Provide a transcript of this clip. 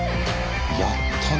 やったね。